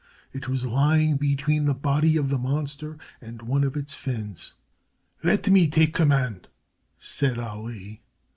It was lying between the body of the monster and one of its fins. "Let me take command," said Ali.